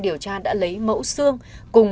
điều tra đã lấy mẫu xương cùng